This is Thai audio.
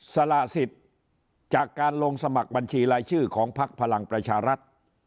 สละสิทธิ์จากการลงสมัครบัญชีรายชื่อของพักพลังประชารัฐ